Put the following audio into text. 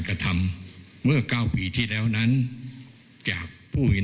โดยคงเป็นประชาชน